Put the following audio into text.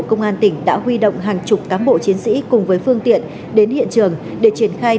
công an tỉnh đã huy động hàng chục cán bộ chiến sĩ cùng với phương tiện đến hiện trường để triển khai